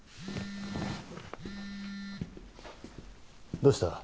どうした？